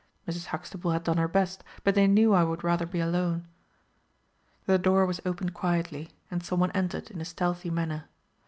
Mrs. Huxtable had done her best, but they knew I would rather be alone. The door was opened quietly, and some one entered in a stealthy manner.